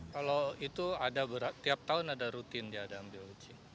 kalau itu tiap tahun ada rutin diadang biologi